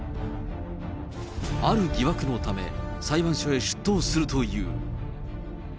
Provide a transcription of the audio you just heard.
ある疑惑のため、裁判所へ出頭するという。